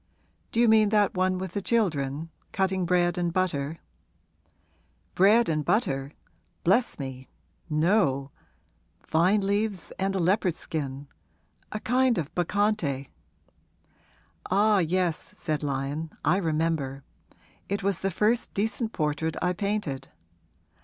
'Do you mean that one with the children cutting bread and butter?' 'Bread and butter? Bless me, no vine leaves and a leopard skin a kind of Bacchante.' 'Ah, yes,' said Lyon; 'I remember. It was the first decent portrait I painted.